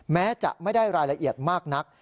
แม้จะไม่ได้รายละเอียดมากนัก